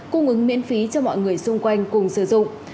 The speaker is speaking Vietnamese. cung ứng miễn phí cho mọi người xung quanh cùng sử dụng